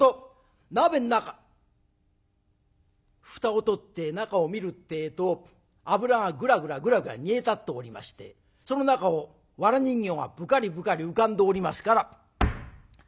蓋を取って中を見るってえと油がグラグラグラグラ煮え立っておりましてその中を藁人形がぷかりぷかり浮かんでおりますから。